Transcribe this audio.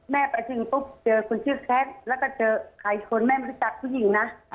ไปถึงปุ๊บเจอคนชื่อแคทแล้วก็เจอใครชนแม่ไม่รู้จักผู้หญิงนะ